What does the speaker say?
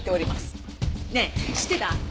ねえ知ってた？